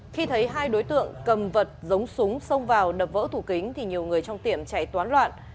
khi thấy hai đối tượng cầm vật giống súng xông vào đập vỡ thủ kính thì nhiều người trong tiệm chạy toán loạn